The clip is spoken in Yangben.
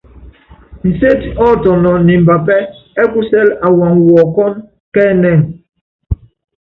Inséti ɔ́tɔnɔn ni imbapɛ́ ɛ́ kusɛ́l awaaŋ wɔɔkɔ́n kɛ́ ɛnɛ́ŋ.